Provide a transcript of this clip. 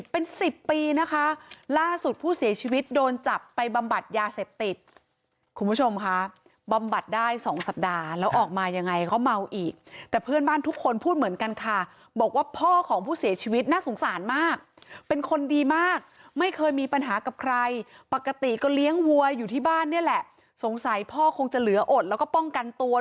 เป็นสิบปีนะคะล่าสุดผู้เสียชีวิตโดนจับไปบำบัดยาเสพติดคุณผู้ชมค่ะบำบัดได้สองสัปดาห์แล้วออกมายังไงเขาเมาอีกแต่เพื่อนบ้านทุกคนพูดเหมือนกันค่ะบอกว่าพ่อของผู้เสียชีวิตน่าสงสารมากเป็นคนดีมากไม่เคยมีปัญหากับใครปกติก็เลี้ยงวัวอยู่ที่บ้านเนี่ยแหละสงสัยพ่อคงจะเหลืออดแล้วก็ป้องกันตัว